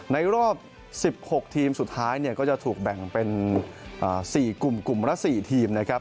ในรอบ๑๖ทีมสุดท้ายเนี่ยก็จะถูกแบ่งเป็น๔กลุ่มกลุ่มละ๔ทีมนะครับ